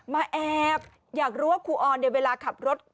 มาแอบอยากรู้ว่าครูออนเวลาขับรถ